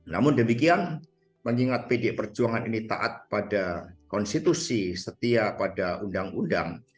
namun demikian mengingat pdi perjuangan ini taat pada konstitusi setia pada undang undang